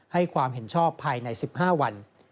ให้ความเห็นชอบภายใน๑๕วัน